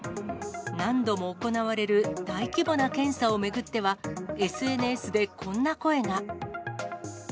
何度も行われる大規模な検査を巡っては、ＳＮＳでこんな声が。